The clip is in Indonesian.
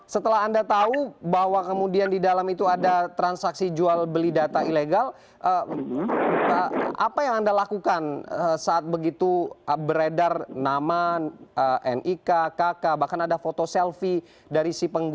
setelah anda tahu bahwa kemudian di dalam itu ada transaksi jual beli data ilegal apa yang anda lakukan saat begitu beredar nama nik kk bahkan ada foto selfie dari si pengguna